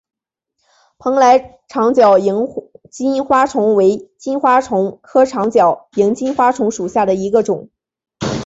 蓬莱长脚萤金花虫为金花虫科长脚萤金花虫属下的一个种。